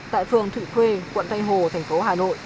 tại phường thụy khuê quận tây hồ thành phố hà nội